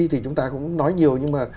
thì chúng ta cũng nói nhiều nhưng mà